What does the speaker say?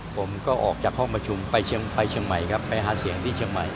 ผมก็ออกจากห้องประชุมไปเชียงใหม่ครับไปหาเสียงที่เชียงใหม่